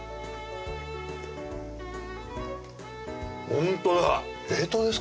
ホントだ。